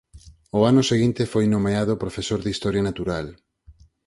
Ao ano seguinte foi nomeado profesor de Historia natural.